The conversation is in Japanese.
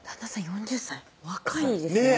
４０歳若いですね